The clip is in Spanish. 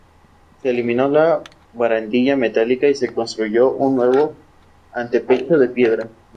Se eliminó la barandilla metálica y se construyó un nuevo antepecho de piedra.